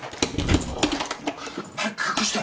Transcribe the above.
早く隠して！